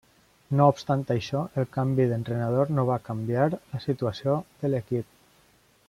No obstant això, el canvi d'entrenador no va canviar la situació de l'equip.